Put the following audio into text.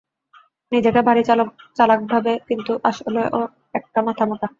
নিজেকে ভারি চালাক ভাবে কিন্তু আসলে ও একটা মাথামোটা।